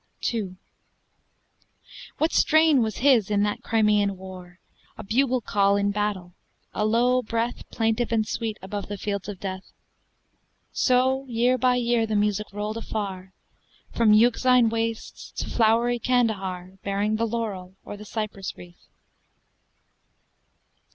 II What strain was his in that Crimean war? A bugle call in battle; a low breath, Plaintive and sweet, above the fields of death! So year by year the music rolled afar, From Euxine wastes to flowery Kandahar, Bearing the laurel or the cypress wreath.